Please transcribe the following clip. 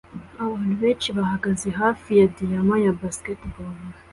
Abantu benshi bahagaze hafi ya diyama ya baseball